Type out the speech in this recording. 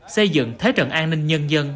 xây dựng thế trận an ninh nhân dân